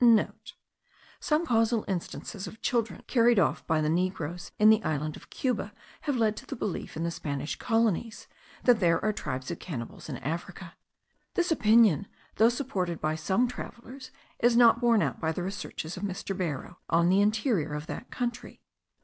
(* Some casual instances of children carried off by the negroes in the island of Cuba have led to the belief, in the Spanish colonies, that there are tribes of cannibals in Africa. This opinion, though supported by some travellers, is not borne out by the researches of Mr. Barrow on the interior of that country.